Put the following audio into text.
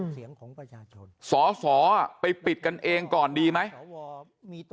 สอไปปิดกันเองก่อนดีไหม